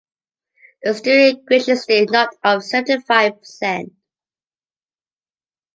The steward graciously knocked off seventy-five per cent.